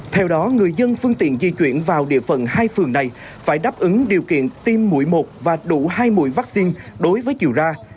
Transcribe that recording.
theo đó người dân phương tiện di chuyển vào địa phận hai phường này phải đáp ứng điều kiện tiêm mũi một và đủ hai mũi vaccine đối với chiều ra